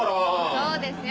そうですよ